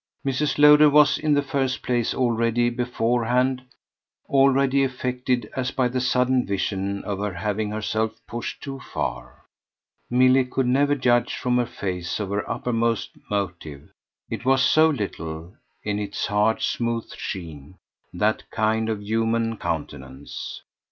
Mrs. Lowder was in the first place already beforehand, already affected as by the sudden vision of her having herself pushed too far. Milly could never judge from her face of her uppermost motive it was so little, in its hard smooth sheen, that kind of human countenance.